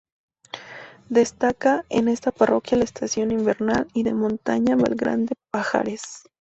Destaca en esta parroquia la estación invernal y de montaña Valgrande-Pajares.